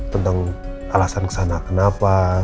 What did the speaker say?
tentang alasan kesana kenapa